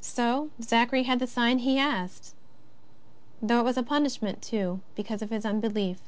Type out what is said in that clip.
So Zachary had the sign he asked, though it was a punishment too because of his unbelief.